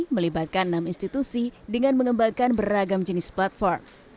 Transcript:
melibatkan enam institusi dengan mengembangkan beragam jenis platform